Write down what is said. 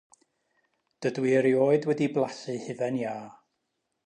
Dydw i erioed wedi blasu hufen iâ.